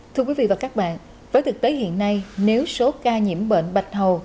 thưa quý vị và các bạn với thực tế hiện nay nếu số ca nhiễm bệnh bạch hầu